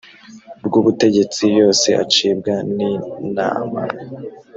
rw ubutegetsi yose acibwa n inama